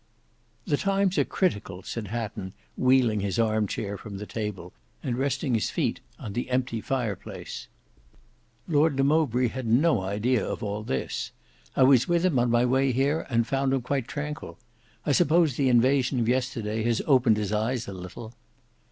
"The times are critical," said Hatton wheeling his arm chair from the table and resting his feet on the empty fire place. "Lord de Mowbray had no idea of all this. I was with him on my way here, and found him quite tranquil. I suppose the invasion of yesterday has opened his eyes a little."